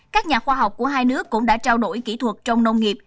các nhà khoa học của hai nước cũng đã trao đổi kỹ thuật trong nông nghiệp